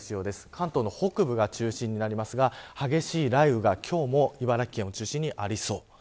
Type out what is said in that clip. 関東の北部を中心になりますが激しい雷雨が、今日も茨城県を中心にありそう。